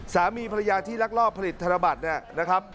สามีภรรยาที่รักลอบผลิตธรรมบัตรนะครับ